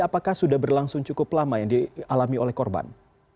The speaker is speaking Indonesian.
apakah sudah berlangsung cukup lama yang dialami oleh korban